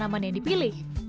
untuk tanaman yang dipilih